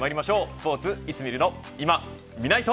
スポーツ、いつ見るのいまみないと。